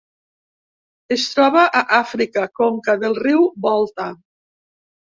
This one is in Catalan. Es troba a Àfrica: conca del riu Volta.